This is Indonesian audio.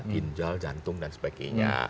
ginjal jantung dan sebagainya